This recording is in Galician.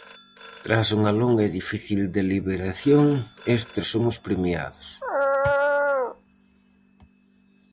Tras unha longa e difícil deliberación, estes son os premiados: